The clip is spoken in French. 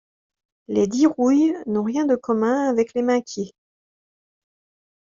Les Dirouilles n’ont rien de commun avec les Minquiers.